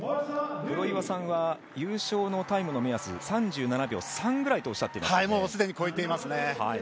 黒岩さんは優勝のタイムの目安３７秒３ぐらいとおっしゃっていました。